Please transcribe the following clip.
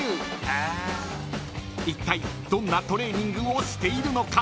［いったいどんなトレーニングをしているのか］